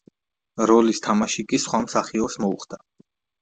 როლის თამაში კი სხვა მსახიობს მოუხდა.